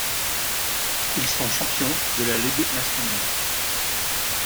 Ils sont champions de la ligue nationale.